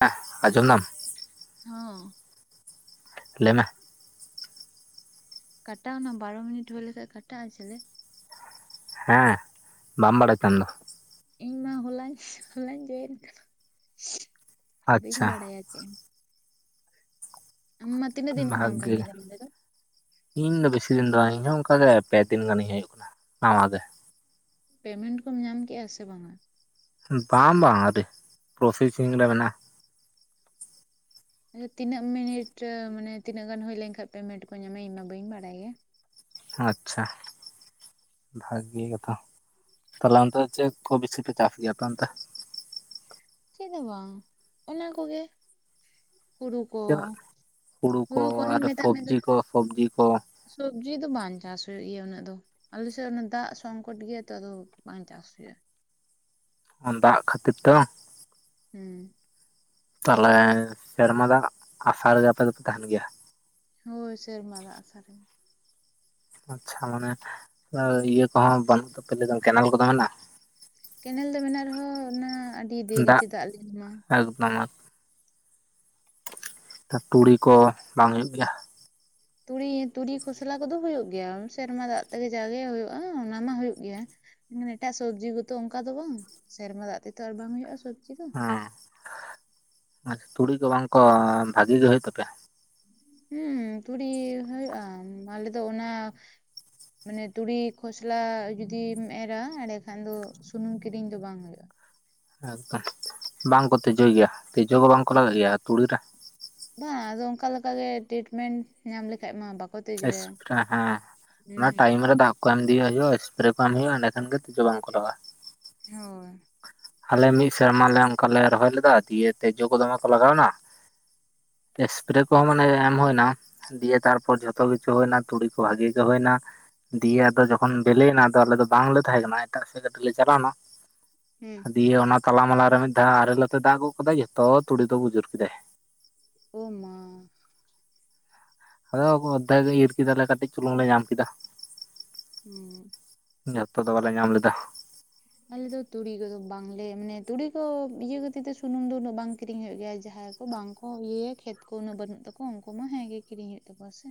ᱦᱮᱸ ᱟᱧᱡᱚᱢᱫᱟᱢ [unintelligible] ᱦᱚᱸ ᱞᱮᱱᱟ ᱠᱟᱴᱟᱣᱱᱟ ᱵᱟᱨᱚ ᱢᱤᱱᱤᱴ ᱦᱩᱭ ᱞᱮᱠᱷᱟᱡ ᱠᱟᱴᱟᱜᱼᱟ ᱪᱮᱞᱮ ᱦᱮᱸ ᱵᱟᱢ ᱵᱟᱲᱟᱭ [unintelligible] ᱛᱮ ᱟᱢ ᱫᱚ ᱤᱧ ᱢᱟ ᱦᱚᱞᱟᱧ ᱦᱚᱞᱟᱧ ᱡᱚᱭᱮᱱ ᱠᱟᱱᱟ ᱵᱟᱹᱧ ᱟᱪᱪᱷᱟ ᱵᱟᱲᱟᱭᱟ ᱪᱮᱫ ᱦᱚᱸ ᱟᱢ ᱢᱟ ᱛᱤᱱᱟᱜ ᱫᱤᱱᱠᱷᱚᱱᱟᱝᱢ ᱵᱷᱟᱜᱮ ᱠᱟᱹᱢᱤ ᱮᱫᱟ ᱱᱚᱰᱮ ᱫᱚ ᱤᱧ ᱫᱚ ᱵᱮᱥᱤ ᱫᱤᱱ ᱫᱚ ᱵᱟᱝ ᱤᱧ ᱦᱚᱸ ᱚᱱᱠᱟᱜᱮ ᱯᱮ ᱫᱤᱱ ᱜᱟᱱᱤᱧ ᱦᱩᱭᱩᱜ ᱠᱟᱱᱟ ᱱᱟᱣᱟ ᱜᱮ ᱯᱮᱢᱮᱱᱴ ᱠᱚᱢ ᱧᱟᱢ ᱠᱮᱜᱼᱟ ᱥᱮ ᱵᱟᱝᱟ ᱵᱟᱝ ᱵᱟᱝ ᱟᱹᱰᱤ ᱯᱨᱚᱥᱮᱥᱤᱝ ᱨᱮ ᱢᱮᱱᱟᱜᱼᱟ ᱟᱪᱪᱷᱟ ᱛᱤᱱᱟᱹᱜ ᱢᱤᱱᱤᱴ ᱢᱟᱱᱮ ᱛᱤᱱᱟᱹᱜ ᱜᱟᱱ ᱦᱩᱭ ᱞᱮᱱᱠᱷᱟᱱ ᱯᱮᱢᱮᱱᱴ ᱠᱚ ᱧᱟᱢᱟ ᱤᱧ ᱢᱟ ᱵᱟᱹᱧ ᱵᱟᱲᱟᱭᱟ ᱟᱪᱪᱷᱟ ᱵᱷᱟᱜᱤ ᱜᱮᱛᱚ ᱛᱟᱦᱞᱮ ᱚᱱᱛᱮ ᱪᱮᱫ ᱠᱚᱩ ᱵᱮᱥᱤ ᱯᱮ ᱪᱟᱥ ᱜᱮᱭᱟᱛᱚ ᱚᱱᱛᱮ ᱪᱮᱫ ᱦᱚᱸ ᱵᱟᱝ ᱮᱱᱟ ᱠᱚᱜᱮ ᱦᱩᱲᱩ ᱠᱚ ᱪᱮᱫ ᱦᱩᱲᱩ ᱠᱚ ᱚᱱᱮ ᱟᱨ ᱤᱧ ᱢᱮᱛᱟᱜ ᱢᱮ ᱥᱚᱵᱽᱡᱤ ᱫᱚ ᱠᱚ ᱥᱚᱵᱽᱡᱤ ᱠᱚ ᱥᱚᱵᱡᱤ ᱫᱚ ᱵᱟᱝ ᱪᱟᱥ ᱤᱭᱟᱹ ᱩᱱᱟᱹᱜ ᱫᱚ ᱟᱞᱮ ᱥᱮᱫ ᱫᱟᱜ ᱥᱚᱝᱠᱚᱴ ᱜᱮᱭᱟ ᱛᱚ ᱟᱫᱚ ᱵᱟᱝ ᱪᱟᱥ ᱦᱩᱭᱩᱜ-ᱟ ᱫᱟᱜ ᱠᱷᱟᱹᱛᱤᱨ ᱛᱮ ᱦᱮᱸ ᱛᱟᱦᱚᱞᱮ ᱥᱮᱨᱢᱟ ᱫᱟᱜ ᱟᱥᱟ ᱨᱮᱜᱮ ᱟᱯᱮ ᱫᱚᱯᱮ ᱛᱟᱦᱮᱱ ᱜᱮᱭᱟ ᱦᱳᱭ ᱥᱮᱨᱢᱟ ᱫᱟᱜ ᱟᱥᱟ ᱟᱪᱪᱷᱟ ᱢᱟᱱᱮ ᱤᱭᱟᱹ ᱠᱚᱦᱚᱸ ᱵᱟᱹᱱᱩᱜ ᱛᱟᱯᱮ ᱞᱮᱠᱟ ᱠᱮᱱᱮᱞ ᱠᱚᱫᱚ ᱢᱮᱱᱟᱜ-ᱟ ᱠᱮᱱᱮᱞ ᱫᱚ ᱢᱮᱱᱟᱜ ᱨᱮᱦᱚᱸ ᱚᱱᱟ ᱟᱹᱰᱤ ᱫᱮᱨᱤᱛᱮ ᱫᱟᱜ ᱞᱮ ᱧᱟᱢᱟ ᱛᱩᱲᱤ ᱠᱚ ᱵᱟᱝ ᱦᱩᱭᱩᱜ ᱜᱮᱭᱟ ᱛᱩᱲᱤ ᱛᱩᱲᱤ ᱠᱷᱚᱥᱞᱟ ᱠᱚᱫᱚ ᱦᱩᱭᱩᱜ ᱜᱮᱭᱟ ᱥᱮᱨᱢᱟ ᱫᱟᱜ ᱛᱮᱜᱮ ᱡᱟᱜᱮ ᱦᱩᱭᱩᱜ-ᱟ ᱚᱱᱟ ᱢᱟ ᱦᱩᱭᱩᱜ ᱜᱮᱭᱟ ᱢᱟᱱᱮ ᱮᱴᱟᱜ ᱥᱚᱵᱽᱡᱤ ᱠᱚᱛᱚ ᱚᱱᱠᱟ ᱫᱚ ᱵᱟᱝ ᱥᱮᱨᱢᱟ ᱫᱟᱜ ᱛᱮᱫᱚ ᱟᱨ ᱵᱟᱝ ᱦᱩᱭᱩᱜ-ᱟ ᱥᱚᱵᱽᱡᱤ [unintelligible] ᱟᱪᱪᱷᱟ ᱛᱩᱲᱤ ᱠᱚ ᱵᱟᱝ ᱠᱚ ᱵᱷᱟᱹᱜᱤ ᱜᱮ ᱦᱩᱭᱩᱜ ᱛᱟᱯᱮᱭᱟ ᱦᱩᱸ ᱛᱩᱲᱤ ᱦᱩᱭᱩᱜ-ᱟ ᱟᱞᱮ ᱫᱚ ᱚᱱᱟ ᱢᱟᱱᱮ ᱛᱩᱲᱤ ᱠᱷᱚᱥᱞᱟ ᱡᱩᱫᱤᱢ ᱮᱨᱟ ᱮᱱᱰᱮᱠᱷᱟᱱ ᱫᱚ ᱥᱩᱱᱩᱢ ᱠᱤᱨᱤᱧ ᱫᱚ ᱵᱟᱝ ᱦᱩᱭᱩᱜ-ᱟ ᱮᱠᱫᱚᱢ ᱵᱟᱝᱠᱚ ᱛᱮᱡᱳᱭ ᱜᱮᱭᱟ ᱛᱮᱡᱳ ᱦᱚᱸ ᱵᱟᱝᱠᱚ ᱞᱟᱜᱟᱜ ᱜᱮᱭᱟ ᱛᱩᱲᱤ ᱨᱮ᱾ ᱵᱟᱝ ᱟᱫᱚ ᱚᱱᱠᱟ ᱞᱮᱠᱟᱜᱮ ᱴᱮᱰᱢᱮᱱᱴ ᱧᱟᱢ ᱞᱮᱠᱷᱟᱡ ᱢᱟ ᱵᱟᱠ ᱮᱥᱯᱨᱮ ᱦᱮᱸ ᱚᱱᱟ ᱴᱟᱭᱤᱢ ᱨᱮ ᱫᱟᱜ ᱠᱚ ᱮᱢ ᱤᱫᱤᱭᱟ ᱦᱩᱭᱩᱜ-ᱟ ᱮᱥᱯᱨᱮ ᱠᱚ ᱮᱢ ᱦᱩᱭᱩᱜ-ᱟ ᱮᱸᱰᱮ ᱠᱷᱟᱱ ᱜᱮ ᱛᱮᱡᱳ ᱵᱟᱝ ᱠᱚ ᱞᱟᱜᱟ-ᱟ ᱦᱳᱭ ᱟᱞᱮ ᱢᱤᱫ ᱥᱮᱨᱢᱟ ᱞᱮ ᱚᱱᱠᱟ ᱞᱮ ᱨᱚᱦᱚᱭ ᱞᱮᱫᱟ ᱫᱤᱭᱮ ᱛᱮᱡᱳ ᱠᱚ ᱫᱚᱢᱮ ᱠᱚ ᱞᱟᱜᱟᱣ ᱱᱟ ᱥᱯᱨᱮ ᱠᱚᱦᱚᱸ ᱢᱟᱱᱮ ᱮᱢ ᱦᱳᱭᱱᱟ ᱫᱤᱭᱮ ᱛᱟᱨᱯᱚᱨ ᱡᱷᱚᱛᱚ ᱠᱤᱪᱷᱩ ᱦᱩᱭᱱᱟ ᱛᱩᱲᱤ ᱠᱚ ᱵᱷᱟᱜᱤ ᱜᱮ ᱦᱩᱭᱱᱟ ᱫᱤᱭᱮ ᱟᱫᱚ ᱡᱚᱠᱷᱚᱱ ᱵᱮᱞᱮᱱᱟ ᱟᱞᱮ ᱫᱚ ᱵᱟᱝᱞᱮ ᱛᱟᱦᱮᱸ ᱠᱟᱱᱟ ᱮᱴᱟᱜ ᱥᱮᱫ ᱠᱟᱹᱴᱤᱡ ᱞᱮ ᱪᱟᱞᱟᱣᱱᱟ ᱦᱩᱸ ᱫᱤᱭᱮ ᱚᱱᱟ ᱛᱟᱞᱟ ᱢᱟᱞᱟ ᱨᱮ ᱢᱤᱫ ᱫᱷᱟᱣ ᱟᱨᱮᱞ ᱟᱛᱮ ᱫᱟᱜ ᱜᱚᱜ ᱠᱟᱫᱟᱭ ᱡᱷᱚᱛᱚ ᱛᱩᱲᱤ ᱫᱚ ᱵᱩᱡᱩᱨ ᱠᱮᱫᱟᱭ᱾ ᱳ ᱢᱟ ᱟᱫᱚ ᱚᱨᱫᱷᱮᱠ ᱜᱮ ᱤᱨ ᱠᱮᱫᱟᱞᱮ ᱠᱟᱹᱴᱤᱡ ᱪᱩᱞᱩᱝ ᱞᱮ ᱧᱟᱢ ᱠᱮᱫᱟ ᱦᱮᱸ ᱡᱚᱛᱚ ᱫᱚ ᱵᱟᱞᱮ ᱧᱟᱢ ᱞᱮᱫᱟ ᱟᱞᱮᱫᱚ ᱛᱩᱲᱤ ᱠᱚᱫᱚ ᱵᱟᱝᱞᱮ ᱢᱟᱱᱮ ᱛᱩᱲᱤ ᱠᱚ ᱤᱭᱟᱹ ᱠᱷᱟᱹᱛᱤᱨ ᱛᱮ ᱥᱩᱱᱩᱢ ᱫᱚ ᱩᱱᱟᱹᱜ ᱵᱟᱝ ᱠᱤᱨᱤᱧ ᱦᱩᱭᱩᱜ ᱜᱮᱭᱟ ᱡᱟᱦᱟᱸ ᱡᱟᱦᱟᱸ ᱠᱚ ᱵᱟᱝ ᱠᱚ ᱤᱭᱟᱹᱭᱟ ᱠᱷᱮᱛ ᱠᱚ ᱩᱱᱟᱹᱜ ᱵᱟᱹᱱᱩᱜ ᱛᱟᱠᱚᱣᱟ ᱩᱱᱠᱩ ᱢᱟ ᱦᱮᱸ ᱜᱮ ᱠᱤᱨᱤᱧ ᱦᱩᱭᱩᱜ ᱛᱟᱠᱚᱣᱟ ᱥᱮ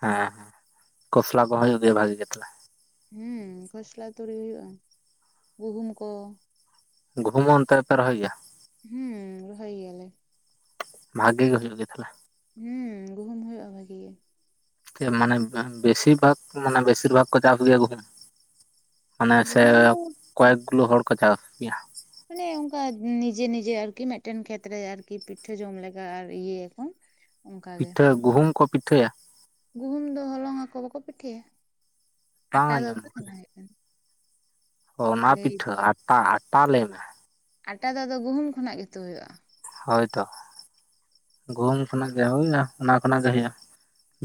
ᱦᱮᱸ ᱠᱷᱚᱥᱞᱟ ᱠᱚᱦᱚᱸ ᱡᱩᱫᱤ ᱵᱷᱟᱜᱮ ᱜᱮ ᱛᱟᱦᱚᱞᱮ ᱦᱮᱸ ᱠᱷᱚᱥᱞᱟ ᱛᱩᱲᱤ ᱦᱩᱭᱩᱜ-ᱟ ᱜᱩᱦᱩᱢ ᱠᱚ ᱜᱩᱦᱩᱢ ᱦᱚᱸ ᱚᱱᱛᱮᱜ ᱫᱚᱯᱮ ᱨᱚᱦᱚᱭ ᱜᱮᱭᱟ ᱦᱩᱸ ᱨᱚᱦᱚᱭ ᱜᱮᱭᱟᱞᱮ ᱵᱷᱟᱜᱤ ᱜᱮ ᱦᱩᱭᱩᱜ ᱜᱮ ᱛᱟᱦᱚᱞᱮ ᱦᱩᱸ ᱜᱩᱦᱩᱢ ᱦᱩᱭᱩᱜ-ᱟ ᱵᱷᱟᱜᱤ ᱜᱮ ᱢᱟᱱᱮ ᱵᱮᱥᱤᱨ ᱵᱷᱟᱜᱽ ᱢᱟᱱᱮ ᱵᱮᱥᱤᱨ ᱵᱷᱟᱜᱽ ᱠᱚ ᱪᱟᱥ ᱜᱮᱭᱟ ᱜᱩᱦᱩᱢ ᱢᱟᱱᱮ ᱥᱮ ᱜᱩᱦᱩᱢ ᱫᱚ ᱠᱚᱭᱮᱠ ᱜᱩᱞᱳ ᱦᱚᱲᱠᱚ ᱪᱟᱥ ᱜᱮᱭᱟ ᱢᱟᱱᱮ ᱚᱱᱠᱟ ᱱᱤᱡᱮ ᱱᱤᱡᱮ ᱟᱨᱠᱤ ᱢᱤᱫᱴᱮᱱ ᱠᱷᱮᱛ ᱨᱮ ᱟᱨᱠᱤ ᱯᱤᱴᱷᱟᱹ ᱡᱚᱢ ᱞᱮᱠᱟ ᱟᱨ ᱤᱭᱟᱹᱭᱟᱠᱚ ᱚᱱᱠᱟᱜᱮ ᱯᱤᱴᱷᱟᱹ ᱜᱩᱦᱩᱢ ᱠᱚ ᱯᱤᱴᱷᱟᱹᱭᱟ ᱜᱩᱦᱩᱢ ᱫᱚ ᱦᱚᱞᱚᱝ ᱟᱠᱚ ᱵᱟᱠᱚ ᱯᱤᱴᱷᱟᱹᱭᱟ ᱵᱟᱝ ᱟᱴᱟ ᱫᱚ ᱟᱸᱡᱚᱢ ᱚᱠᱟ ᱠᱟᱫᱟ ᱠᱷᱚᱱᱟᱜ ᱦᱩᱭᱩᱜ ᱠᱟᱱᱟ ᱚᱱᱟ ᱞᱟᱹᱭ ᱯᱤᱴᱷᱟᱹ ᱟᱴᱟ ᱟᱴᱟ ᱞᱟᱹᱭ ᱢᱮ ᱟᱴᱟ ᱫᱚ ᱟᱫᱚ ᱜᱩᱦᱩᱢ ᱠᱷᱚᱱᱟᱜ ᱜᱮᱛᱚ ᱦᱩᱭᱩᱜ-ᱟ ᱦᱳᱭ ᱛᱚ ᱜᱩᱦᱩᱢ ᱠᱷᱚᱱᱟᱜ ᱜᱮ ᱦᱩᱭ ᱮᱱᱟ ᱚᱱᱟ ᱠᱷᱚᱱᱟᱜ ᱜᱮ ᱦᱩᱭᱩᱜ-ᱟ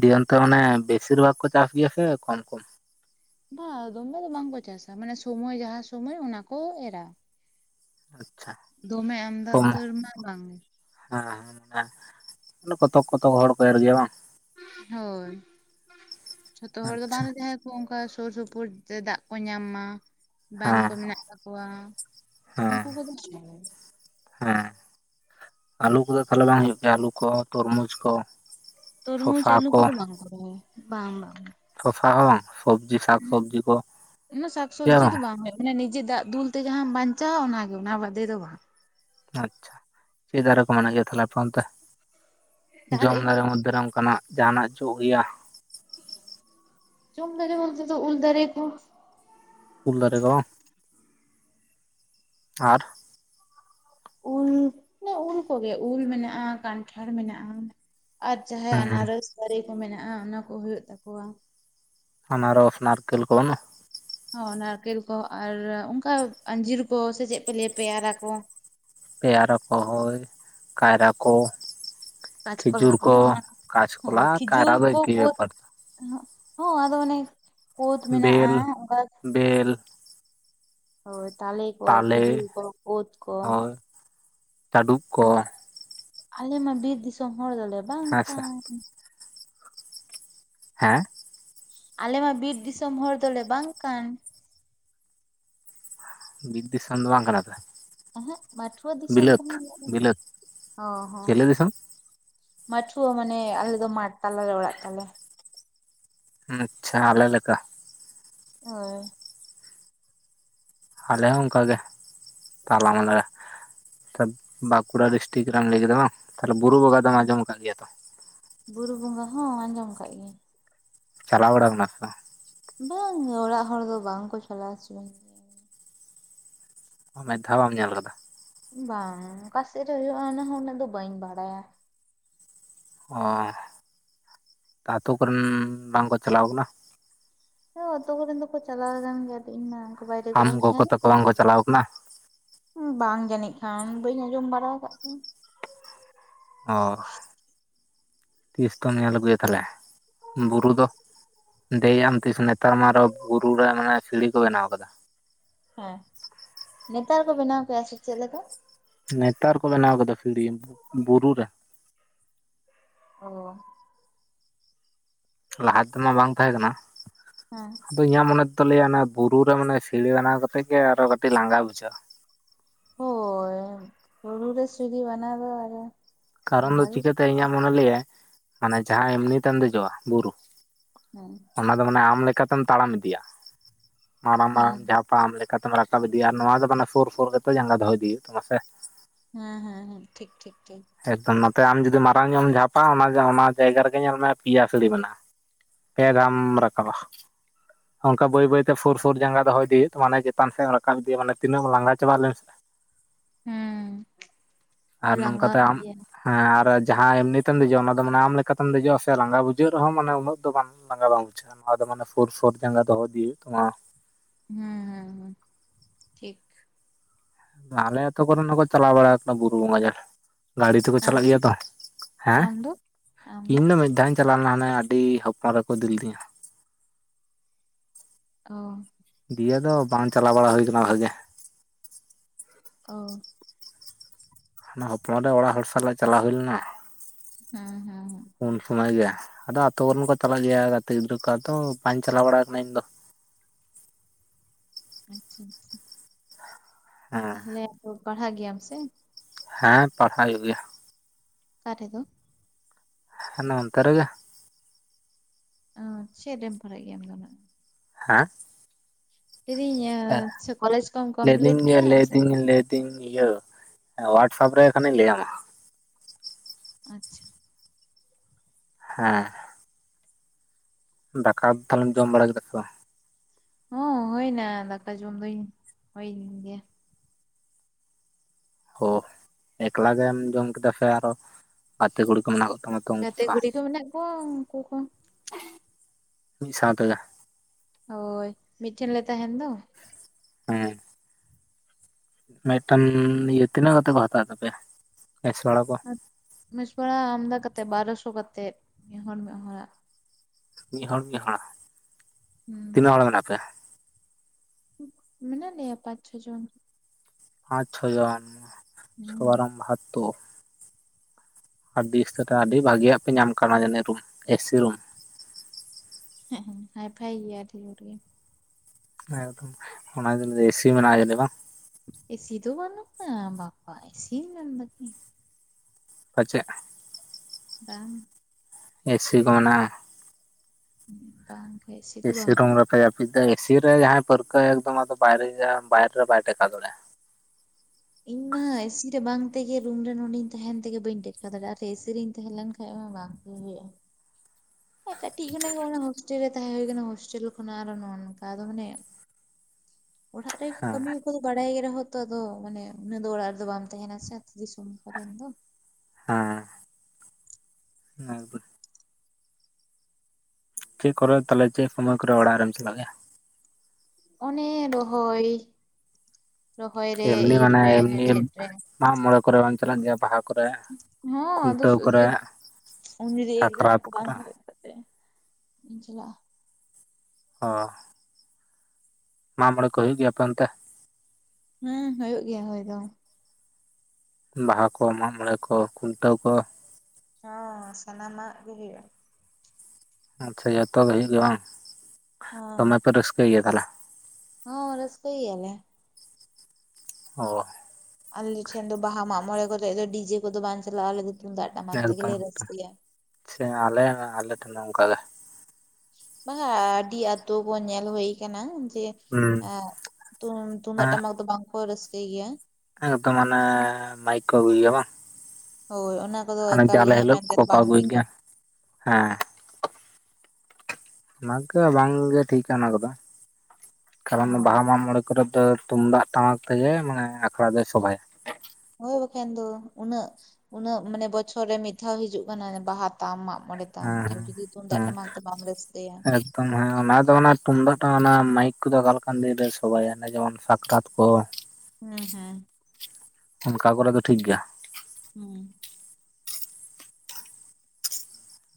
ᱫᱤᱭᱮ ᱚᱱᱛᱮ ᱢᱟᱱᱮ ᱵᱮᱥᱤᱨ ᱵᱷᱟᱜᱽ ᱠᱚ ᱪᱟᱥ ᱜᱮᱭᱟ ᱥᱮ ᱠᱚᱢ ᱠᱚᱢ ᱵᱟᱝ ᱫᱚᱢᱮ ᱫᱚ ᱵᱟᱝᱠᱚ ᱪᱟᱥ-ᱟ ᱢᱟᱱᱮ ᱥᱚᱢᱚᱭ ᱡᱟᱦᱟᱸ ᱥᱚᱢᱚᱭ ᱚᱱᱟ ᱠᱚ ᱮᱨᱟ ᱟᱪᱪᱷᱟ ᱫᱚᱢᱮ ᱟᱢᱫᱟ ᱠᱚᱢ ᱦᱮᱸ ᱩᱛᱟᱹᱨ ᱢᱟ ᱵᱟᱝ ᱜᱮ ᱠᱚᱛᱚᱠ ᱠᱚᱛᱚᱠ ᱦᱚᱲ ᱠᱚ ᱮᱨ ᱜᱮᱭᱟ ᱵᱟᱝ ᱦᱳᱭ ᱡᱚᱛᱚ ᱦᱚᱲ ᱫᱚ ᱟᱪᱪᱷᱟ ᱵᱟᱝ ᱨᱮ ᱡᱟᱦᱟᱸᱭ ᱠᱚ ᱚᱱᱠᱟ ᱥᱩᱨ ᱥᱩᱯᱩᱨ ᱨᱮ ᱫᱟᱜ ᱠᱚ ᱧᱟᱢ ᱢᱟ ᱵᱟᱸᱫᱷ ᱦᱮᱸ ᱠᱚ ᱢᱮᱱᱟᱜ ᱛᱟᱠᱚᱣᱟ ᱦᱮᱸ ᱩᱱᱠᱩ ᱠᱚᱫᱚ ᱦᱮᱸ ᱟᱹᱞᱩ ᱠᱚᱫᱚ ᱛᱟᱦᱚᱞᱮ ᱵᱟᱝ ᱦᱩᱭᱩᱜ ᱜᱮᱭᱟ ᱟᱹᱞᱩ ᱠᱚ ᱛᱚᱨᱢᱩᱡᱽ ᱠᱚ ᱛᱩᱨᱢᱩᱡ ᱟᱹᱞᱩ ᱠᱚᱫᱚ ᱵᱟᱝ ᱠᱚ ᱵᱟᱝ ᱵᱟᱝ ᱥᱚᱥᱟ ᱦᱚᱸ ᱵᱟᱝ ᱥᱚᱵᱽᱡᱤ ᱥᱟᱠᱥᱚᱵᱽᱡᱤ ᱠᱚ ᱚᱱᱟ ᱪᱮᱫ ᱦᱚᱸ ᱥᱟᱠᱥᱚᱵᱽᱡᱤ ᱫᱚ ᱵᱟᱝ ᱦᱩᱭᱩᱜ ᱢᱟᱱᱮ ᱡᱮ ᱫᱟᱜ ᱫᱩᱞ ᱛᱮ ᱡᱟᱦᱟᱸᱟᱢ ᱵᱟᱧᱪᱟᱣᱟ ᱚᱱᱟᱜᱮ ᱚᱱᱟ ᱵᱟᱫᱮ ᱫᱚ ᱵᱟᱝ᱾ ᱟᱪᱪᱷᱟ ᱪᱮᱫ ᱫᱟᱨᱮ ᱠᱚ ᱢᱮᱱᱟᱜ ᱜᱮᱭᱟ ᱛᱟᱦᱞᱮ ᱟᱯᱮ ᱚᱱᱛᱮ ᱡᱚᱢ ᱫᱟᱨᱮ ᱢᱚᱫᱽᱫᱷᱮᱨᱮ ᱚᱱᱠᱟᱱᱟᱜ ᱡᱟᱦᱟᱸᱱᱟᱜ [unintelligible] ᱦᱩᱭᱩᱜᱼᱟ᱾ ᱪᱚᱢ ᱫᱟᱨᱮ ᱵᱚᱞᱛᱮ ᱫᱚ ᱩᱞ ᱫᱟᱨᱮ ᱠᱩ᱾ ᱩᱞ ᱫᱟᱨᱮ ᱫᱚ ᱟᱨ ᱩᱞ ᱩᱞ ᱠᱚᱜᱮ ᱩᱞ ᱢᱮᱱᱟᱜᱼᱟ ᱠᱟᱱᱴᱷᱟᱲ ᱢᱮᱱᱟᱜᱼᱟ᱾ ᱟᱨ ᱡᱟᱦᱟᱭᱸᱟᱜ ᱦᱩᱸ ᱟᱱᱟᱨᱚᱥ ᱫᱟᱨᱮ ᱠᱚ ᱢᱮᱱᱟᱜᱼᱟ ᱚᱱᱟ ᱠᱚ ᱦᱩᱭᱩᱜ ᱛᱟᱠᱚᱣᱟ᱾ ᱦᱟᱱᱟ ᱨᱚᱥ ᱱᱟᱨᱠᱮᱞ ᱠᱚ ᱵᱟᱹᱱᱩᱜ ᱱᱟᱲᱠᱮᱞ ᱠᱚ ᱟᱨ ᱚᱱᱠᱟ ᱟᱸᱡᱤᱨ ᱠᱚ ᱥᱮ ᱪᱮᱫ ᱯᱮ ᱞᱟᱹᱭᱟ ᱯᱮᱭᱟᱨᱟ ᱠᱚ᱾ ᱯᱮᱭᱟᱨᱟᱠᱚ ᱦᱳᱭ ᱠᱟᱭᱨᱟ ᱠᱚ᱾ ᱠᱟᱪᱠᱞᱟ ᱠᱚ ᱚᱱᱟ ᱠᱟᱪᱠᱚᱞᱟ ᱦᱳᱭ ᱠᱷᱤᱡᱩᱨ ᱠᱟᱭᱨᱟ ᱫᱚ ᱠᱚ᱾ ᱮᱠᱤ ᱵᱮᱯᱟᱨ ᱦᱚᱸ ᱟᱫᱚ ᱟᱱᱮ ᱠᱳᱫ ᱢᱮᱱᱟᱜᱼᱟ ᱵᱮᱞ ᱚᱱᱠᱟ ᱵᱮᱞ ᱦᱳᱭ ᱛᱟᱞᱮ ᱠᱚ ᱛᱟᱞᱮ ᱠᱷᱤᱡᱩᱨ ᱠᱚ ᱚᱛ ᱠᱚ ᱪᱟᱹᱰᱩᱵ ᱠᱚ ᱟᱞᱮ ᱢᱟ ᱵᱤᱨ ᱫᱤᱥᱚᱢ ᱦᱚᱲ ᱫᱚᱞᱮ ᱵᱟᱝ ᱦᱮᱸ ᱥᱮ ᱠᱟᱱ᱾ ᱦᱮᱸ ᱟᱞᱮ ᱢᱟ ᱵᱤᱨ ᱫᱤᱥᱚᱢ ᱦᱚᱲ ᱫᱚᱞᱮ ᱵᱟᱝ ᱠᱟᱱ᱾ ᱵᱤᱨ ᱫᱤᱥᱚᱢ ᱫᱚ ᱵᱟᱝ ᱠᱟᱱᱟ ᱯᱮ? ᱟᱹᱦᱟᱹᱜ ᱵᱟᱹᱴᱷᱩᱣᱟᱹ ᱫᱤᱥᱚᱢ ᱵᱤᱞᱟᱹᱛ ᱠᱟᱱᱟ ᱞᱮ ᱫᱚ ᱵᱤᱞᱟᱹᱛ ᱦᱚᱸ ᱦᱚᱸ ᱪᱮᱞᱮ ᱫᱤᱥᱚᱢ ᱢᱟᱴᱷᱩᱣᱟᱹ ᱢᱟᱱᱮ ᱟᱞᱮ ᱫᱚ ᱢᱟᱴᱷ ᱛᱟᱞᱟᱞᱮ ᱚᱲᱟᱜ ᱛᱟᱞᱮ ᱟᱪᱪᱷᱟ ᱟᱞᱮ ᱞᱮᱠᱟ᱾ ᱟᱨ ᱟᱞᱮ ᱦᱚᱸ ᱚᱱᱠᱟᱜᱮ ᱛᱟᱞᱟ ᱢᱟᱞᱟ ᱵᱟᱸᱠᱩᱲᱟ ᱰᱤᱥᱴᱤᱠ ᱨᱮᱱᱢ ᱞᱟᱹᱭ ᱠᱮᱫᱟ ᱵᱟᱝ? ᱛᱟᱦᱞᱮ ᱵᱩᱨᱩ ᱵᱚᱸᱜᱟ ᱫᱚᱢ ᱦᱮᱸ ᱟᱸᱡᱚᱢ ᱟᱠᱟᱫ ᱜᱮᱭᱟ ᱛᱚ ᱵᱩᱨᱩ ᱵᱚᱸᱜᱟ ᱦᱚᱸ ᱟᱸᱡᱚᱢ ᱠᱟᱜ ᱜᱤᱭᱟᱹᱧ᱾ ᱪᱟᱞᱟᱣ‌ ᱵᱟᱲᱟ ᱠᱟᱱᱟᱢ ᱥᱮ ᱵᱟᱝ? ᱵᱟᱝ ᱚᱲᱟᱜ ᱦᱚᱲ ᱫᱚ ᱵᱟᱝᱠᱚ ᱪᱟᱞᱟᱣ ᱦᱚᱪᱚᱧᱤᱭᱟ ᱢᱤᱫ ᱫᱷᱟᱣ ᱵᱟᱢ ᱧᱮᱞ ᱟᱠᱟᱫᱟ ᱵᱟᱝ ᱚᱠᱟ ᱥᱮᱫ ᱨᱮ ᱦᱩᱭᱩᱜᱼᱟ ᱚᱱᱟ ᱦᱚᱸ ᱩᱱᱟᱹᱜ ᱫᱚ ᱵᱟᱹᱧ ᱵᱟᱲᱟᱭᱟ᱾ ᱚ ᱟᱹᱛᱩ ᱠᱚᱨᱮᱱ ᱵᱟᱝᱠᱚ ᱪᱟᱞᱟᱣ ᱠᱟᱱᱟ? ᱟᱹᱛᱩᱳ ᱠᱚᱨᱮᱱ ᱫᱚᱠᱚ ᱪᱟᱞᱟᱣ ᱟᱠᱟᱱ ᱜᱮᱭᱟ ᱤᱧ ᱢᱟ ᱵᱟᱭᱨᱮ ᱟᱢ ᱠᱚᱨᱮᱧ ᱜᱚᱜᱚ ᱛᱟᱦᱮᱸᱱᱟ ᱛᱟᱠᱚ ᱥᱮ ᱵᱟᱝᱠᱚ ᱪᱟᱞᱟᱣ ᱟᱠᱟᱱᱟ ᱵᱟᱝ ᱡᱟᱹᱱᱤᱡ ᱠᱷᱟᱱ ᱵᱟᱹᱧ ᱟᱸᱡᱚᱢ ᱵᱟᱲᱟ ᱟᱠᱟᱫ ᱠᱚ ᱚ ᱛᱤᱥ ᱛᱚᱢ ᱧᱮᱞ ᱟᱹᱜᱩᱭᱟ ᱛᱟᱦᱚᱞᱮ ᱵᱩᱨᱩ ᱫᱚ? ᱫᱮᱡᱭᱟᱢ ᱛᱤᱥ ᱱᱮᱛᱟᱨ ᱢᱟ ᱟᱨ ᱵᱩᱨᱩ ᱨᱮᱟᱱᱮ ᱥᱤᱲᱤ ᱠᱚ ᱵᱮᱱᱟᱣ ᱠᱟᱫᱟ ᱦᱮᱸ ᱱᱮᱛᱟᱨ ᱠᱚ ᱵᱮᱱᱟᱣ ᱯᱮᱭᱟ ᱥᱮ ᱪᱮᱫ ᱞᱮᱠᱟ ᱱᱮᱛᱟᱨ ᱠᱚ ᱵᱮᱱᱟᱣ ᱠᱟᱫᱟ ᱯᱷᱤᱞ ᱵᱩᱨᱩ ᱨᱮ ᱚ ᱞᱟᱦᱟᱛᱮᱢᱟ ᱵᱟᱝ ᱛᱟᱦᱮᱸ ᱠᱟᱱᱟ ᱦᱮᱸ ᱟᱫᱚ ᱤᱧᱟᱹᱜ ᱢᱚᱱᱮ ᱚᱛ ᱞᱟᱭᱟ ᱚᱱᱟ ᱵᱩᱨᱩ ᱨᱮ ᱢᱟᱱᱮ ᱥᱤᱲᱤ ᱵᱮᱱᱟᱣ ᱠᱟᱛᱮ ᱜᱮ ᱟᱨᱚ ᱠᱟᱹᱴᱤᱡ ᱞᱟᱸᱜᱟ ᱵᱩᱡᱷᱟᱹᱜᱼᱟ᱾ ᱦᱳᱭ ᱵᱩᱨᱩ ᱥᱤᱲᱤ ᱵᱟᱱᱟᱣ ᱫᱚ ᱟᱫᱚ ᱠᱟᱨᱚᱱ ᱫᱚ ᱪᱤᱠᱟᱹᱛᱮ ᱤᱧᱟᱹᱜ ᱢᱚᱱᱮ ᱞᱟᱹᱭᱭᱟ ᱢᱟᱱᱮ ᱡᱟᱦᱟᱸ ᱮᱢᱱᱤᱛᱮᱢ ᱫᱮᱡᱚᱜᱼᱟ ᱵᱩᱨᱩ ᱦᱮᱸ ᱚᱱᱟ ᱫᱚ ᱢᱟᱱᱮ ᱟᱢ ᱞᱮᱠᱟᱛᱮᱢ ᱛᱟᱲᱟᱢ ᱤᱫᱤᱭᱟ ᱢᱟᱨᱟᱝ ᱢᱟᱨᱟᱝ ᱦᱮᱸ ᱡᱟᱦᱟᱸ ᱟᱢ ᱞᱮᱠᱟ ᱞᱮᱠᱟᱛᱮᱢ ᱨᱟᱠᱟᱵ ᱤᱫᱤᱭᱟ ᱟᱨ ᱱᱚᱣᱟ ᱫᱚ ᱢᱟᱱᱮ ᱥᱩᱨ ᱥᱩᱨ ᱜᱮᱛ ᱡᱟᱸᱜᱟ ᱫᱚᱦᱚᱭ ᱤᱫᱤᱭ ᱦᱩᱭᱩᱜ ᱛᱟᱢᱟᱟᱥᱮ ᱦᱮᱸ ᱦᱮᱸ ᱦᱮᱸ ᱴᱷᱤᱠ ᱴᱷᱤᱠ ᱴᱷᱤᱠ ᱮᱠᱫᱚᱢ ᱱᱚᱛᱮ ᱟᱢ ᱡᱩᱫᱤ ᱢᱟᱨᱟᱝ ᱧᱚᱜ ᱮᱢ ᱡᱷᱟᱯᱟ ᱚᱱᱟ ᱡᱟᱭᱜᱟ ᱨᱮᱜᱮ ᱧᱮᱞ ᱢᱮ ᱯᱮᱭᱟ ᱥᱟᱹᱲᱤ ᱢᱮᱱᱟᱜᱼᱟ᱾ ᱯᱮ ᱫᱷᱟᱢ ᱨᱟᱠᱟᱵᱟ ᱚᱱᱠᱟ ᱵᱟᱹᱭ ᱵᱟᱹᱭᱛᱮ ᱥᱩᱨ ᱥᱩᱨ ᱡᱟᱸᱜᱟ ᱫᱚᱦᱚᱭ ᱤᱭᱮ ᱛ ᱢᱟᱱᱮ ᱪᱮᱛᱟᱱ ᱥᱮᱫ ᱮᱢ ᱨᱟᱠᱟᱵ ᱤᱫᱮ ᱢᱟᱱᱮ ᱛᱤᱱᱟᱹᱜ ᱞᱟᱸᱜᱟ ᱪᱟᱵᱟᱜ ᱞᱟᱹᱭ ᱢᱮᱥᱮ ᱦᱮᱸ ᱟᱨ ᱱᱚᱝᱠᱟᱛᱮ ᱞᱟᱸᱜᱟᱣᱤᱧ ᱟᱢ ᱜᱮᱭᱟ ᱦᱮᱸ ᱟᱨ ᱡᱟᱦᱟᱸ ᱮᱢᱱᱤᱛᱮᱢ ᱫᱮᱡᱚᱜᱼᱟ ᱚᱱᱟ ᱫᱚ ᱢᱟᱱᱮ ᱟᱢ ᱞᱮᱠᱟ ᱞᱮᱠᱟᱛᱮᱢ ᱫᱮᱡᱚᱜᱼᱟ ᱥᱮ ᱞᱟᱸᱜᱟ ᱵᱩᱡᱷᱟᱹᱜ ᱨᱮᱦᱚᱸᱟᱱᱮ ᱩᱱᱟᱹᱜ ᱫᱚ ᱵᱟᱝ ᱞᱟᱸᱜᱟ ᱵᱟᱝ ᱵᱩᱡᱷᱟᱹᱜᱼᱟ᱾ ᱱᱚᱣᱟ ᱫᱚ ᱢᱟᱱᱮ ᱯᱷᱳᱩᱨ ᱯᱷᱳᱩᱨ ᱡᱟᱸᱜᱟ ᱫᱚᱦᱚ ᱤᱫᱤ ᱦᱩᱭᱩᱜ ᱛᱟᱢᱟ᱾ ᱦᱮᱸ ᱦᱮᱸ ᱦᱸ ᱴᱷᱤᱠ ᱟᱞᱮ ᱟᱹᱛᱩ ᱠᱚᱨᱮᱱᱟᱜ ᱠᱚ ᱪᱟᱞᱟᱣ ᱫᱟᱲᱮᱜ ᱠᱟᱱᱟ ᱵᱩᱨᱩ ᱵᱚᱸᱜᱟ ᱧᱮᱞ ᱜᱟᱹᱲᱤ ᱛᱮᱠᱚ ᱟᱢ ᱪᱟᱞᱟᱜ ᱫᱚ ᱜᱮᱭᱟ ᱛᱚ ᱦᱮᱸ ᱟᱢ ᱫᱚ ᱤᱧ ᱫᱚ ᱢᱤᱫ ᱫᱷᱟᱣ ᱤᱧ ᱪᱟᱞᱟᱣ ᱞᱮᱱᱟ ᱢᱟᱱᱮ ᱟᱹᱰᱤ ᱦᱚᱯᱚᱱ ᱨᱮᱠᱚ ᱤᱫᱤ ᱞᱤᱫᱤᱧᱟ᱾ ᱚ ᱤᱭᱟᱹ ᱫᱚ ᱵᱟᱝ ᱪᱟᱞᱟᱣ ᱵᱟᱲᱟ ᱦᱩᱭ ᱟᱠᱟᱱᱟ ᱵᱷᱟᱜᱮ ᱚ ᱦᱟᱱ ᱦᱚᱯᱚᱱ ᱨᱮ ᱚᱲᱟᱜ ᱦᱚᱲ ᱥᱟᱞᱟᱜ ᱪᱟᱞᱟᱣ ᱦᱩᱭ ᱞᱮᱱᱟ ᱦᱮᱸ ᱦᱮᱸ ᱦᱮᱸ ᱩᱱ ᱥᱚᱢᱚᱭ ᱜᱮ ᱟᱫᱚ ᱟᱹᱛᱩ ᱠᱚᱨᱮᱱ ᱠᱚ ᱪᱟᱞᱟᱜ ᱜᱮᱭᱟ ᱜᱟᱛᱮ ᱜᱤᱫᱽᱨᱟᱹ ᱠᱚ ᱟᱫᱚ ᱵᱟᱹᱧ ᱪᱟᱞᱟᱣ ᱵᱟᱲᱟ ᱠᱟᱱᱟ ᱤᱧᱫᱚ [inaudible] ᱟᱪᱪᱷᱟ ᱟᱪᱪᱷᱟ ᱦᱮᱸ ᱛᱟᱦᱚᱞᱮ ᱟᱫᱚ ᱯᱟᱲᱦᱟᱜ ᱜᱮᱭᱟᱢ ᱥᱮ ᱦᱮᱸ ᱯᱟᱲᱦᱟᱜ ᱦᱩᱭᱩᱜ ᱜᱮᱭᱟ᱾ ᱚᱠᱟ ᱨᱮᱫᱚ? ᱦᱟᱱᱮ ᱦᱟᱱᱛᱮ ᱨᱮᱜᱮ ᱪᱮᱫ ᱨᱮᱢ ᱯᱷᱟᱨᱟᱜ ᱜᱮᱭᱟ ᱟᱢ ᱫᱚ ᱦᱟᱸᱜ ᱦᱮᱸ ᱞᱤᱫᱤᱧ ᱥᱮ ᱠᱚᱞᱮᱡᱽ ᱠᱚᱢ ᱠᱚᱢᱯᱞᱤᱴ ᱠᱮᱭᱟ ᱥᱮ ᱛᱤᱧ ᱤᱭᱟᱹ ᱦᱳᱣᱟᱴᱥᱮᱯ ᱨᱮ ᱠᱷᱟᱹᱱᱤᱧ ᱞᱟᱹᱭ ᱟᱢᱟ ᱟᱪᱪᱷᱟ ᱦᱮᱸ ᱫᱟᱠᱟ ᱛᱟᱦᱚᱞᱮᱢ ᱡᱚᱢ ᱵᱟᱲᱟ ᱠᱮᱫᱟ ᱥᱮ ᱵᱟᱝ ᱦᱚᱸ ᱦᱩᱭᱱᱟ ᱫᱟᱠᱟ ᱡᱚᱢ ᱫᱩᱧ ᱦᱩᱭᱮᱱ ᱜᱮᱭᱟ᱾ ᱚ ᱮᱠᱞᱟ ᱜᱮᱢ ᱡᱚᱢ ᱠᱮᱫᱟ ᱥᱮ ᱟᱨᱚ ᱜᱟᱛᱮ ᱠᱩᱲᱤ ᱢᱮᱱᱟᱜ ᱠᱚ ᱛᱟᱢᱟ ᱛᱚ ᱩᱱᱠᱩ ᱜᱟᱛᱮ ᱥᱟᱶ ᱠᱩᱲᱤ ᱠᱚ ᱢᱮᱱᱟᱜ ᱠᱚᱣᱟ ᱩᱱᱠᱩ ᱠᱚ ᱢᱤᱫ ᱥᱟᱶ ᱛᱮᱜᱮ ᱦᱳᱭ ᱢᱤᱫᱴᱷᱮᱱ ᱞᱮ ᱛᱟᱦᱮᱱ ᱫᱚ ᱦᱮᱸ ᱢᱤᱫᱴᱟᱱ ᱤᱭᱟᱹ ᱛᱤᱱᱟᱹᱜ ᱠᱟᱛᱮᱫ ᱠᱚ ᱦᱟᱛᱟᱣ ᱛᱟᱯᱮᱭᱟ? ᱢᱮᱥ ᱵᱷᱟᱲᱟ ᱠᱚ ᱟᱨ ᱢᱮᱥ ᱵᱟᱲᱟ ᱟᱢᱫᱟ ᱠᱟᱛᱮᱫ ᱵᱟᱨᱚᱥᱚ ᱠᱟᱛᱮᱫ ᱢᱤᱫᱦᱚᱲ ᱢᱤᱫ ᱦᱚᱲᱟᱜ ᱢᱤᱫ ᱦᱚᱲ ᱢᱤᱫ ᱦᱚᱲ ᱦᱩᱸ ᱛᱤᱱᱟᱹᱜ ᱦᱚᱲ ᱢᱮᱱᱟᱜ ᱯᱮᱭᱟ? ᱢᱮᱱᱟᱜ ᱞᱮᱭᱟ ᱯᱟᱸᱪ ᱪᱷᱚ ᱡᱚᱱ ᱯᱟᱸᱪ ᱪᱷᱚ ᱡᱚᱱ ᱦᱩᱸ ᱥᱚᱵᱟᱨᱚᱢ ᱵᱟᱦᱟᱛᱛᱳᱨ ᱟᱹᱰᱤ [unintelligible] ᱟᱹᱰᱤ ᱵᱷᱟᱹᱜᱤᱭᱟᱜ ᱯᱮ ᱧᱟᱢ ᱠᱟᱱᱟ ᱡᱟᱱᱤᱡ ᱨᱩᱢ ᱮᱥᱤ ᱨᱩᱢ ᱦᱟᱭ ᱯᱷᱟᱭ ᱜᱮᱭᱟ ᱟᱹᱰᱤ ᱡᱳᱨ ᱜᱮ ᱮᱠᱫᱚᱢ ᱚᱱᱟ ᱜᱮ ᱮᱥᱤ ᱢᱮᱱᱟᱜ ᱡᱟᱱᱤ ᱵᱟᱝ ᱮᱥᱤ ᱫᱚ ᱵᱟᱹᱱᱩᱜ ᱵᱟᱯᱟ ᱮᱥᱤ ᱢᱮᱱ ᱫᱟᱢ ᱛᱚ ᱯᱟᱪᱮᱫ ᱵᱟᱝ ᱮᱥᱤ ᱠᱚ ᱢᱮᱱᱟᱜᱼᱟ ᱵᱟᱝ ᱫᱚ ᱮᱥᱤ ᱵᱟᱝ ᱨᱩᱢ ᱨᱮᱯᱮ ᱡᱟᱹ ᱢᱤᱫ ᱮᱥᱤ ᱨᱮ ᱡᱟᱦᱟᱸᱭ ᱯᱟᱹᱨᱠᱟᱹᱣ ᱮ ᱵᱟᱭᱨᱮ ᱵᱟᱭᱨᱮ ᱨᱮ ᱵᱟᱭ ᱴᱮᱠᱟᱣ ᱫᱟᱲᱮᱭᱟᱜᱼᱟ᱾ ᱤᱧ ᱢᱟ ᱮᱥᱤ ᱨᱮ ᱵᱟᱝ ᱛᱮᱜᱮ ᱨᱩᱢ ᱨᱮ ᱱᱚᱸᱰᱮᱧ ᱛᱟᱦᱮᱱ ᱛᱮᱜᱮ ᱵᱟᱹᱧ ᱫᱮᱠᱷᱟᱣ ᱫᱟᱲᱮᱭᱟᱜᱼᱟ ᱟᱨ ᱮᱥᱤ ᱨᱤᱧ ᱛᱟᱦᱮᱸ ᱞᱮᱱ ᱠᱷᱟᱡ ᱦᱮᱸ ᱵᱟᱠᱤ ᱜᱮ ᱠᱟᱹᱴᱤᱡ ᱠᱷᱚᱱᱟᱜ ᱜᱮ ᱦᱳᱥᱴᱮᱞ ᱨᱮ ᱛᱟᱦᱮᱸ ᱦᱩᱭ ᱠᱟᱱᱟ ᱦᱳᱥᱴᱮᱞ ᱠᱷᱚᱱᱟᱜ ᱟᱨᱚ ᱱᱚ ᱱᱚᱝᱠᱟ ᱟ ᱢᱟᱱᱮ [inaudible] ᱚᱲᱟᱜ ᱨᱮ ᱦᱮᱸ ᱱᱤᱛᱚᱜ ᱫᱚ ᱢᱟᱱᱮ ᱩᱱᱟᱹᱜ ᱫᱚ ᱚᱲᱟᱜ ᱨᱮᱫᱚ ᱵᱟᱢ ᱛᱟᱦᱮᱱᱟ ᱥᱮ ᱟᱹᱛᱩ ᱫᱤᱥᱚᱢ ᱠᱚᱨᱮᱱ ᱫᱚ᱾ ᱦᱮᱸ [unintelligible] ᱪᱮᱫ ᱠᱚᱨᱮ ᱛᱟᱦᱞᱮ ᱪᱮᱫ ᱥᱚᱢᱚᱭ ᱠᱚᱨᱮ ᱚᱲᱟᱜ ᱨᱮᱢ ᱪᱟᱞᱟᱜ ᱜᱮᱭᱟ? ᱚᱱᱮ ᱨᱚᱦᱚᱭ ᱨᱚᱦᱚᱭ ᱨᱮ ᱮᱢᱱᱤ ᱤᱨ ᱢᱟᱱᱮ ᱨᱮ ᱮᱢᱱᱤ ᱦᱮᱲᱦᱮᱫ ᱨᱮ ᱢᱟᱜ ᱢᱚᱬᱮ ᱠᱚᱨᱮ ᱵᱟᱝ ᱪᱟᱞᱜ ᱜᱮᱭᱟ ᱵᱟᱦᱟ ᱠᱚᱨᱮ ᱦᱚᱸ ᱟᱫᱚ ᱠᱷᱩᱱᱴᱟᱹᱣ ᱠᱚᱨᱮ [unintelligible] ᱩᱱ ᱡᱩᱫᱤ ᱮᱠᱡᱟᱢ ᱥᱟᱠᱨᱟᱛ ᱠᱚ ᱵᱟᱝ ᱠᱚᱨᱮ ᱦᱩᱭᱩᱜ [unintelligible] ᱪᱟᱞᱟᱜ-ᱟ ᱦᱚᱸ ᱢᱟᱜ ᱢᱚᱬᱮ ᱠᱚ ᱦᱩᱭᱩᱜ ᱜᱮᱭᱟ ᱟᱯᱮ ᱚᱱᱛᱮ? ᱦᱮᱸ ᱦᱩᱭᱩᱜ ᱜᱮᱭᱟ ᱦᱩᱭ ᱫᱚ ᱾ ᱵᱟᱦᱟ ᱠᱚ ᱢᱟᱜ ᱢᱚᱬᱮ ᱠᱚ ᱠᱷᱩᱱᱴᱟᱹᱣ ᱠᱚ ᱦᱚᱸ ᱥᱟᱱᱟᱢᱟᱜ ᱜᱮ ᱦᱩᱭᱩᱜᱼᱟ ᱾ ᱟᱪᱪᱷᱟ ᱡᱚᱛᱚ ᱜᱮ ᱦᱩᱭᱩᱜ ᱜᱮᱭᱟ ᱵᱟᱝ ᱦᱚᱸ ᱫᱚᱢᱮ ᱯᱮ ᱨᱟᱹᱥᱠᱟᱹᱭ ᱜᱮᱭᱟ ᱛᱟᱦᱚᱞᱮ ᱾ ᱦᱚᱸ ᱨᱟᱹᱥᱠᱟᱹᱭ ᱜᱮᱭᱟ ᱞᱮ ᱾ ᱦᱚᱭ ᱟᱞᱮ ᱴᱷᱮᱱ ᱫᱚ ᱵᱟᱦᱟ ᱢᱟᱜᱢᱚᱬᱮ ᱠᱚᱫᱚ ᱰᱤᱡᱮ ᱠᱚᱫᱚ ᱵᱟᱝ ᱪᱟᱞᱟᱜᱼᱟ ᱟᱞᱮ ᱫᱚ ᱛᱩᱢᱫᱟᱜ ᱴᱟᱢᱟᱠ ᱛᱮᱜᱮᱞᱮ ᱮᱠᱫᱚᱢ ᱨᱟᱹᱥᱠᱟᱹᱭᱟ ᱥᱮ ᱟᱞᱮ ᱟᱞᱮ ᱴᱷᱮᱱ ᱫᱚ ᱚᱱᱠᱟᱜᱮ ᱾ ᱵᱟᱝᱟ ᱟᱹᱰᱤ ᱟᱛᱳ ᱵᱚ ᱧᱮᱞ ᱦᱩᱭ ᱠᱟᱱᱟ ᱾ ᱡᱮ ᱦᱩᱸ ᱮ ᱛᱩᱢ ᱛᱩᱢᱫᱟᱜ ᱴᱟᱢᱟᱠ ᱫᱚ ᱵᱟᱝᱠᱚ ᱨᱟᱹᱥᱠᱟᱹᱭ ᱜᱮᱭᱟ ᱾ ᱮᱠᱫᱚᱢ ᱢᱟᱱᱮ ᱢᱟᱭᱤᱠ ᱠᱚ ᱟᱹᱜᱩᱭ ᱜᱮᱭᱟ ᱵᱟᱝ? ᱦᱚᱭ ᱦᱟᱱᱮ ᱡᱤᱫᱤᱱ ᱦᱟᱱᱮ ᱦᱤᱞᱚᱜ ᱠᱚᱠᱚ ᱟᱹᱜᱩᱭᱮᱫ ᱜᱮᱭᱟ ᱦᱮᱸ ᱚᱱᱟ ᱠᱚ ᱵᱟᱝ ᱜᱮ ᱴᱷᱤᱠᱟ ᱚᱱᱟ ᱠᱚᱫᱚ ᱠᱟᱨᱚᱱ ᱦᱳᱭ ᱵᱟᱦᱟ ᱢᱟᱜ ᱢᱚᱬᱮ ᱠᱚᱨᱮ ᱛᱩᱢᱫᱟᱜ ᱴᱟᱢᱟᱠ ᱛᱮᱜᱮ ᱢᱟᱱᱮ ᱟᱠᱷᱲᱟ ᱫᱚᱭ ᱥᱚᱵᱷᱟᱭᱟ ᱾ ᱦᱳᱭ ᱵᱟᱠᱷᱟᱱ ᱫᱚ ᱩᱱᱟᱹᱜ ᱢᱟᱱᱮ ᱵᱚᱪᱷᱚᱨ ᱨᱮ ᱢᱤᱫ ᱫᱷᱟᱣ ᱦᱤᱡᱩᱜ ᱠᱟᱱᱟ ᱵᱟᱦᱟ ᱛᱟᱢ ᱚᱸᱰᱮ ᱛᱟᱢ ᱦᱮᱸ ᱟᱨ ᱡᱩᱫᱤ ᱛᱩᱢᱫᱟᱜ ᱦᱮᱸ ᱴᱟᱠ ᱛᱮ ᱵᱟᱢ ᱨᱟᱹᱥᱠᱟᱹᱭᱟ ᱮᱠᱫᱚᱢ ᱦᱮᱸ ᱚᱱᱟ ᱫᱚ ᱚᱱᱟ ᱛᱩᱢᱫᱟᱜ ᱴᱟᱢᱟ ᱚᱱᱟ ᱢᱟᱭᱤᱠ ᱠᱚᱫᱚ ᱚᱠᱟᱞᱮᱠᱟᱱ ᱫᱤᱱ ᱨᱮ ᱦᱚᱵᱟᱭᱮᱱᱟ ᱡᱮᱢᱚᱱ ᱥᱟᱠᱨᱟᱛ ᱠᱚ ᱾ ᱦᱮᱸ ᱦᱮᱸ ᱚᱱᱠᱟ ᱠᱚᱨᱮ ᱫᱚ ᱴᱷᱤᱠ ᱜᱮᱭᱟ ᱦᱮᱸ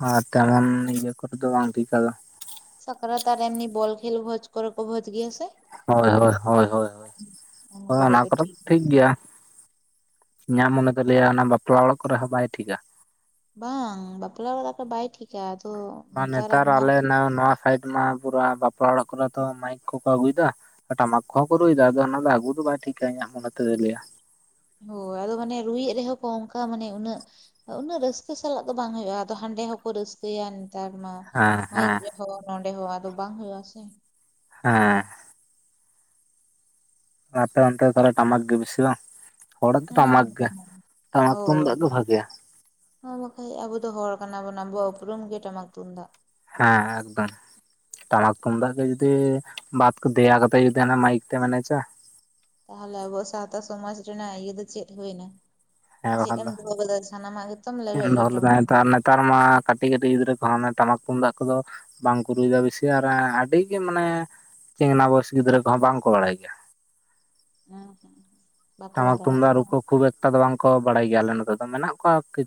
ᱟᱨ ᱛᱮᱢᱚᱱ ᱤᱭᱟᱹ ᱠᱚᱨᱮ ᱫᱚ ᱵᱟᱝ ᱴᱷᱤᱠᱟ ᱫᱚ ᱥᱟᱠᱨᱟᱛ ᱟᱨ ᱮᱢᱱᱤ ᱵᱚᱞ ᱠᱷᱮᱞ ᱵᱷᱚᱡᱽ ᱠᱚᱨᱮ ᱠᱚ ᱵᱷᱚᱡᱽ ᱜᱮᱭᱟ ᱥᱮ ᱦᱚᱭ ᱦᱚᱭ ᱦᱚᱭ ᱦᱚᱭ ᱩᱱ ᱦᱚᱭ ᱠᱚᱨᱮ ᱚᱱᱟ ᱫᱚ ᱠᱚᱫᱚ ᱴᱷᱤᱠ ᱜᱮᱭᱟ ᱾ ᱤᱧᱟᱜ ᱢᱚᱱᱮ ᱫᱚ ᱞᱟᱹᱭᱟ ᱚᱱᱟ ᱵᱟᱯᱞᱟ ᱚᱲᱟᱜ ᱠᱚᱨᱮ ᱦᱚᱸ ᱵᱟᱭ ᱴᱷᱤᱠᱟ ᱾ ᱵᱟᱝ ᱵᱟᱯᱞᱟ ᱚᱲᱟᱜ ᱠᱚᱨᱮ ᱵᱟᱭ ᱴᱷᱤᱠᱟ ᱾ ᱵᱟᱝ ᱱᱮᱛᱟᱨ ᱦᱚᱸ ᱟᱞᱮ ᱱᱚᱣᱟ ᱥᱟᱭᱤᱴ ᱚᱱᱟ ᱯᱩᱨ ᱵᱟᱯᱞᱟ ᱚᱲᱟᱜ ᱠᱚᱨᱮ ᱫᱚ ᱢᱟᱭᱤᱠ ᱠᱚᱠᱚ ᱟᱹᱜᱩᱭᱮᱫᱟ ᱴᱟᱢᱟᱠ ᱠᱚᱦᱚᱸ ᱠᱚ ᱨᱩᱭᱮᱫᱟ ᱟᱫᱚ ᱚᱱᱟ ᱫᱚ ᱟᱹᱜᱩ ᱫᱚ ᱵᱟᱭ ᱴᱷᱤᱠᱟ ᱤᱧᱟᱹᱜ ᱢᱚᱱᱮ ᱛᱮᱫᱚᱭ ᱞᱟᱹᱭᱟ ᱾ ᱦᱳᱭ ᱟᱫᱚ ᱢᱟᱱᱮ ᱨᱩᱭᱮᱫ ᱨᱮᱦᱚᱸ ᱠᱚ ᱚᱱᱠᱟ ᱢᱟᱱᱮ ᱩᱱᱟᱹᱜ ᱩᱱᱟᱹᱜ ᱨᱟᱹᱥᱠᱟᱹ ᱥᱟᱞᱟᱜ ᱫᱚ ᱵᱟᱝ ᱦᱩᱭᱩᱜᱼᱟ ᱟᱫᱚ ᱦᱟᱸ ᱚᱸᱰᱮ ᱦᱚᱸᱠᱚ ᱨᱟᱹᱥᱠᱟᱹᱭᱟ ᱱᱮᱛᱟᱨ ᱢᱟ ᱦᱮᱸ ᱢᱟᱭᱤᱠ ᱦᱮᱸ ᱡᱚᱦᱚᱸ ᱱᱚᱰᱮ ᱦᱚᱸ ᱟᱫᱚ ᱵᱟᱝ ᱦᱩᱭᱩᱜ-ᱟ ᱥᱮ ᱾ ᱦᱮᱸ ᱟᱯᱮ ᱚᱱᱛᱮ ᱠᱚᱨᱮ ᱴᱟᱢᱟᱠ ᱜᱮ ᱵᱤᱥᱤ ᱵᱟᱝ ᱦᱚᱲᱟᱜ ᱫᱚ ᱦᱮᱸ ᱴᱟᱢᱟᱠ ᱜᱮ ᱴᱟᱢᱟᱠ ᱦᱚᱭ ᱛᱩᱢᱫᱟᱜ ᱜᱮ ᱵᱷᱟᱜᱮᱭᱟ ᱦᱚᱭ ᱵᱟᱠᱷᱟ ᱟᱵᱚ ᱫᱚ ᱦᱚᱲ ᱠᱟᱱᱟᱵᱚᱱ ᱟᱵᱚᱣᱟᱜ ᱩᱯᱩᱨᱩᱢ ᱜᱮ ᱴᱟᱢᱟᱠ ᱛᱩᱢᱫᱟᱜ ᱾ ᱦᱮᱸ ᱮᱠᱫᱚᱢ ᱾ ᱴᱟᱢᱟᱠ ᱛᱩᱢᱫᱟᱜ ᱜᱮ ᱡᱩᱫᱤ ᱵᱟᱫ ᱠᱚ ᱫᱮᱭᱟ ᱠᱟᱛᱮ ᱡᱩᱫᱤ ᱦᱟᱱᱟ ᱢᱟᱭᱤᱠ ᱛᱮᱢ ᱮᱱᱮᱪᱟ ᱛᱟᱦᱚᱞᱮ ᱟᱵᱚᱣᱟᱜ ᱥᱟᱶᱛᱟ ᱥᱚᱢᱟᱡ ᱨᱮᱱᱟᱜ ᱤᱭᱟᱹ ᱫᱚ ᱪᱮᱫ ᱦᱩᱭ ᱮᱱᱟ ᱦᱮᱸ ᱪᱮᱫ ᱵᱟᱠᱷᱟᱱ ᱮᱢ ᱫᱚ ᱫᱚᱦᱚ ᱠᱟᱫᱟ ᱥᱟᱱᱟᱢ [unintelligible] ᱱᱮᱛᱟᱨ ᱢᱟ ᱠᱟᱹᱴᱤᱡ ᱠᱟᱹᱴᱤᱡ ᱜᱤᱫᱽᱨᱟᱹ ᱠᱚᱦᱚᱸ ᱴᱟᱢᱟᱠ ᱛᱩᱢᱫᱟᱜ ᱠᱚᱫᱚ ᱵᱟᱝᱠᱚ ᱨᱩᱭ ᱫᱟ ᱵᱮᱥᱤ ᱟᱨ ᱟᱼᱟᱼᱟᱹᱰᱤᱜᱮ ᱢᱟᱱᱮ᱾ ᱪᱮᱝᱱᱟ ᱵᱚᱭᱚᱥ ᱜᱤᱫᱽᱨᱟᱹ ᱠᱚᱦᱚᱸ ᱵᱟᱝᱠᱚ ᱵᱟᱲᱟᱭ ᱜᱮᱭᱟ᱾ ᱦᱮᱸ ᱦᱮᱸ ᱵᱟᱠᱚ ᱴᱟᱢᱟᱠ ᱵᱟᱲᱟᱭᱟᱠᱚ ᱛᱩᱢᱫᱟᱜ ᱨᱩ ᱵᱟᱝ ᱠᱚ ᱠᱷᱩᱵ ᱮᱠᱛᱟ ᱫᱚ ᱵᱟᱝᱠᱚ ᱵᱟᱲᱟᱭ ᱜᱮᱭᱟ ᱟᱞᱮ ᱱᱚᱛᱮ ᱫᱚ ᱢᱮᱱᱟᱜ ᱠᱚᱣᱟ ᱠᱟᱹᱡ